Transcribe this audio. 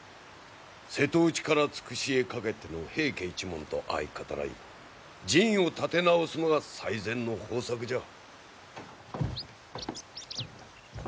瀬戸内から筑紫へかけての平家一門と相語らい陣を立て直すのが最善の方策じゃ。